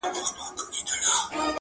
اوس به څوك د جلالا ګودر ته يوسي.!